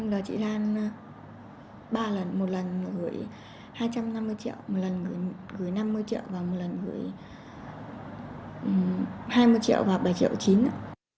là chị lan ba lần một lần gửi hai trăm năm mươi triệu một lần gửi năm mươi triệu và một lần gửi hai mươi triệu và bảy triệu chín